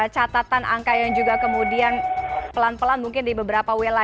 catatan angka yang juga kemudian pelan pelan mungkin di beberapa wilayah